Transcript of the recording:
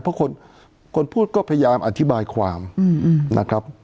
เพราะคนพูดก็พยายามอธิบายความนะครับ